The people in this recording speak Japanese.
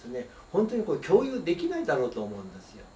本当に共有できないだろうと思うんですよ。